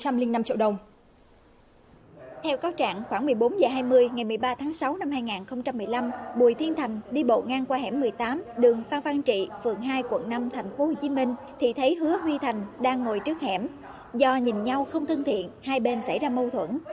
theo cáo trạng khoảng một mươi bốn h hai mươi ngày một mươi ba tháng sáu năm hai nghìn một mươi năm bùi thiên thành đi bộ ngang qua hẻm một mươi tám đường phan văn trị phường hai quận năm tp hcm thì thấy hứa huy thành đang ngồi trước hẻm do nhìn nhau không thân thiện hai bên xảy ra mâu thuẫn